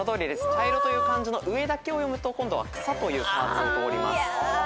「茶色」という漢字の上だけを読むと今度は「クサ」というパーツを通ります。